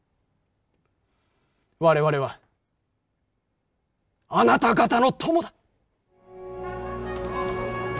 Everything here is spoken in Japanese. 我々はあなた方の友だ。